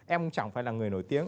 em chẳng phải là người nổi tiếng